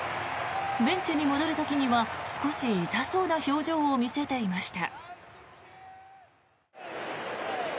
ベンチに戻る時には少し痛そうな表情を見せていました。